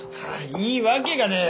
いいわけがねえや。